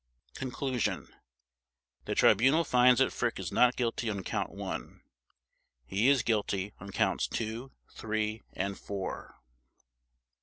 Conclusion The Tribunal finds that Frick is not guilty on Count One. He is guilty on Counts Two, Three, and Four.